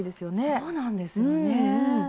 そうなんですよねえ。